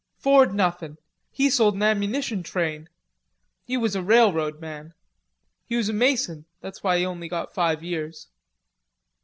"Ford nothin'! He sold an ammunition train. He was a railroad man. He was a mason, that's why he only got five years."